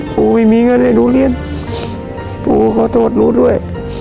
ปู่ไม่มีเงินให้หนูเรียนปู่ขอโทษหนูด้วย